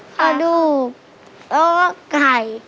ปลาดุกแล้วก็ไก่